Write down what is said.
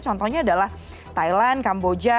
contohnya adalah thailand kamboja